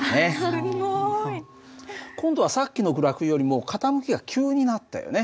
すごい。今度はさっきのグラフよりも傾きが急になったよね。